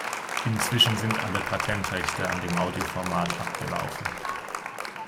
Inzwischen sind alle Patentrechte an dem Audioformat abgelaufen.